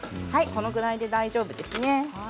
これぐらいで大丈夫ですね。